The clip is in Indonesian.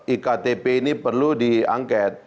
iktp ini perlu diangket